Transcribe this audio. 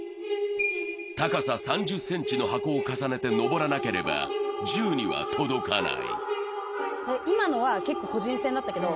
高さ３０ｃｍの箱を重ねて登らなければ銃には届かない。